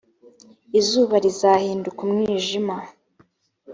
izuba rizahinduka umwijima